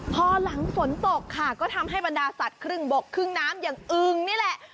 พอหลังฝนตกค่ะก็ทำให้บรรดาสัตว์ครึ่งบกครึ่งน้ำอย่างอึงนี่แหละ